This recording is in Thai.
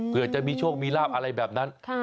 เผื่อจะมีช่วงมีราบอะไรแบบนั้น